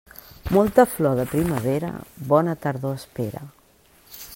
Molta flor de primavera, bona tardor espera.